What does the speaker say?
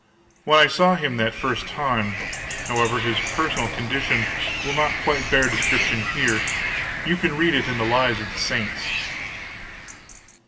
When I saw him that first time however, his personal condition will not quite bear description here. You can read it in the Lives of the Saints.